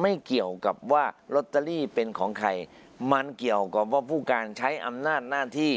ไม่เกี่ยวกับว่าลอตเตอรี่เป็นของใครมันเกี่ยวกับว่าผู้การใช้อำนาจหน้าที่